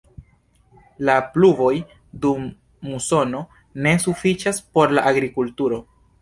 La pluvoj dum musono ne sufiĉas por la agrikulturo.